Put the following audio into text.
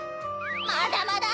まだまだ！